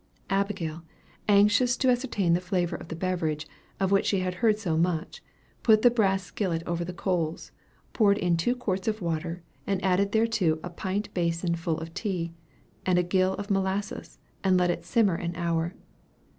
Abigail, anxious to ascertain the flavor of a beverage, of which she had heard much, put the brass skillet over the coals, poured in two quarts of water, and added thereto a pint bason full of tea, and a gill of molasses, and let it simmer an hour.